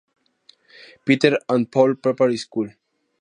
Peter and Paul Preparatory School.